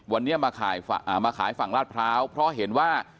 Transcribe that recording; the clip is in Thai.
วันนี้มาขายฝั่งลาดพร้าวเพราะเห็นว่า